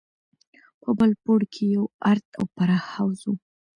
په بل پوړ کښې يو ارت او پراخ حوض و.